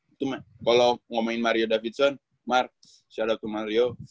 itu kalau ngomongin mario davidson mark shout out ke mario